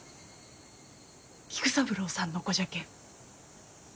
菊三郎さんの子じゃけん。